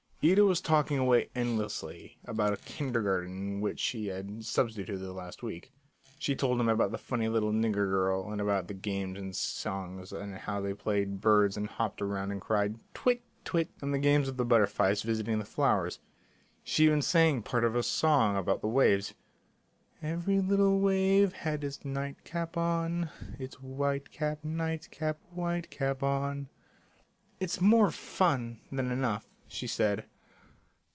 Ida was talking away endlessly about a kindergarten in which she had substituted the last week. She told him about the funny little nigger girl, and about the games and songs and how they played birds and hopped around and cried, "Twit, twit," and the game of the butterflies visiting the flowers. She even sang part of a song about the waves. "Every little wave had its night cap on; Its white cap, night cap, white cap on." "It's more fun than enough," she said.